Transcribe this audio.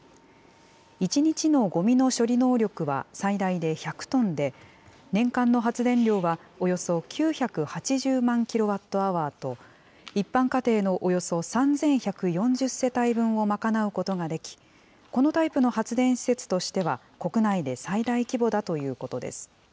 １日のごみ処理能力は最大で１００トンで、年間の発電量はおよそ９８０万キロワットアワーと、一般家庭のおよそ３１４０世帯分を賄うことができ、このタイプの発電施設としては、国内で最大規模だということです。